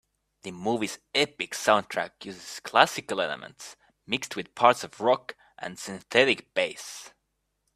The movie's epic soundtrack uses classical elements mixed with parts of rock and synthetic bass.